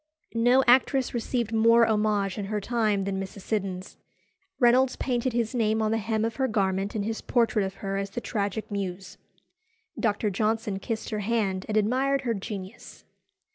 No actress received more homage in her time than Mrs. Siddons. Reynolds painted his name on the hem of her garment in his portrait of her as the Tragic Muse. Dr. Johnson kissed her hand and admired her genius.